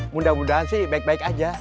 mudah mudahan sih baik baik aja